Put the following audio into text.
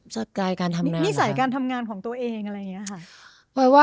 สไตล์การทำงานของตัวเองอะไรอย่างเงี้ยค่ะ